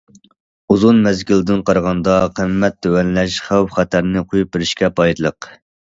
ئۇزۇن مەزگىلدىن قارىغاندا، قىممەت تۆۋەنلەش خەۋپ- خەتەرنى قويۇپ بېرىشكە پايدىلىق.